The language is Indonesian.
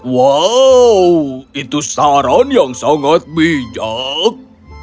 wow itu saran yang sangat bijak